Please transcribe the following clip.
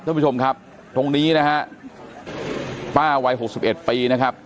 ท่านผู้ชมครับตรงนี้นะฮะป้าวัยหกสิบเอ็ดปีนะครับ